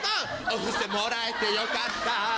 「お布施もらえてよかった」